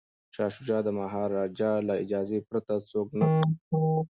شاه شجاع د مهاراجا له اجازې پرته څوک نه پریږدي.